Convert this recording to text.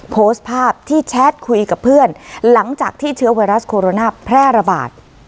โพสต์ภาพที่แชทคุยกับเพื่อนหลังจากที่เชื้อไวรัสโคโรนาแพร่ระบาด